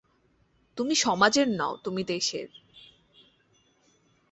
তুমি সমাজের নও তুমি দেশের।